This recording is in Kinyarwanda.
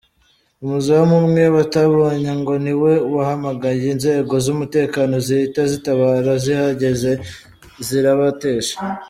Umuzamu umwe batabonye ngo ni we wahamagaye inzego z’umutekano zihita zitabara zihageze zirabatesha.